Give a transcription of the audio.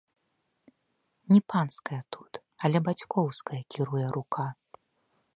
Не панская тут, але бацькоўская кіруе рука!